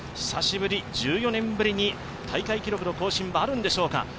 久しぶり、１４年ぶりに大会記録の更新はあるのでしょうか。